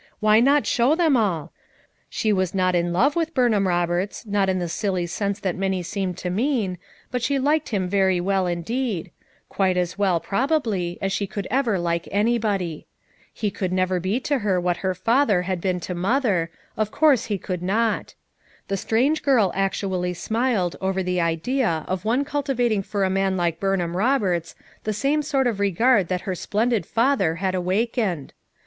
Why not show them all? She was not in love with Burnham Roberts, not in the silly sense that many seemed to mean, but she liked him very well indeed; quite as well, probably, as she could ever like anybody. He could never be 152 FOUR MOTHERS AT CHAUTAUQUA to her what her father had been to mother of course he could not! The strange girl actually smiled over the idea of one cultivating for a man like Burnham Roberts the same sort of regard that her splendid father had awakened!